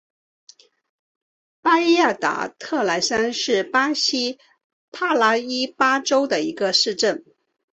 巴伊亚达特莱桑是巴西帕拉伊巴州的一个市镇。